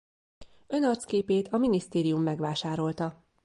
Önarcképét a minisztérium megvásárolta.